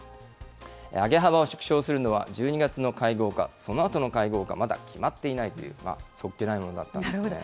上げ幅を縮小するのは１２月の会合か、そのあとの会合か、まだ決まっていないという、そっけないなるほど。